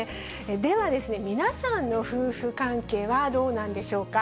では、皆さんの夫婦関係はどうなんでしょうか。